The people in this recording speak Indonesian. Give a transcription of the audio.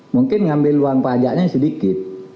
mungkin ngambil uang pajaknya sedikit